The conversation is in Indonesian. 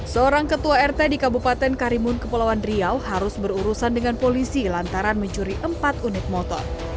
seorang ketua rt di kabupaten karimun kepulauan riau harus berurusan dengan polisi lantaran mencuri empat unit motor